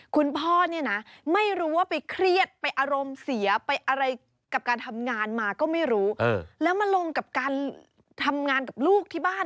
คุณพ่อเนี่ยนะไม่รู้ว่าไปเครียดไปอารมณ์เสียไปอะไรกับการทำงานมาก็ไม่รู้แล้วมาลงกับการทำงานกับลูกที่บ้าน